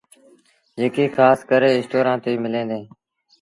جيڪي کآس ڪري اسٽورآݩ تي مليٚن ديٚݩ۔